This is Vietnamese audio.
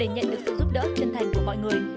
nhận được sự giúp đỡ chân thành của mọi người